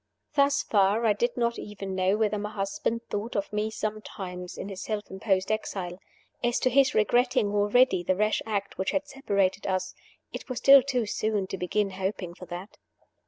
Thus far I did not even know whether my husband thought of me sometimes in his self imposed exile. As to this regretting already the rash act which had separated us, it was still too soon to begin hoping for that.